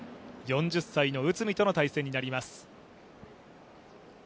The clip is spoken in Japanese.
４０歳の内海との対戦になります。